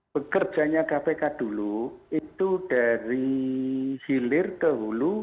bekerjanya kpk dulu itu dari hilir ke hulu